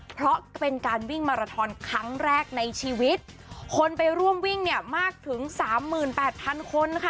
เพราะเป็นการวิ่งมาราทอนครั้งแรกในชีวิตคนไปร่วมวิ่งเนี่ยมากถึงสามหมื่นแปดพันคนค่ะ